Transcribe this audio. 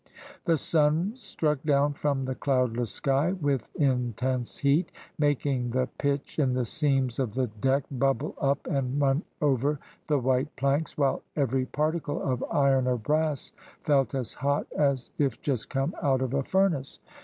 The sun struck down from the cloudless sky with intense heat, making the pitch in the seams of the deck bubble up and run over the white planks, while every particle of iron or brass felt as hot as if just come out of a furnace.